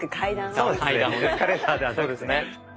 そうですね。